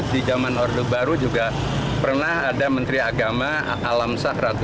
di zaman orde baru juga pernah ada menteri agama alamsah ratu